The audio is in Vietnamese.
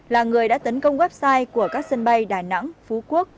là người đã tấn công website của các sân bay đà nẵng phú quốc